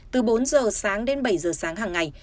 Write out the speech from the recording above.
từ bốn giờ sáng đến bảy giờ sáng hàng ngày